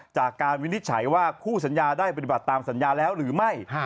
วินิจฉัยว่าคู่สัญญาได้ปฏิบัติตามสัญญาแล้วหรือไม่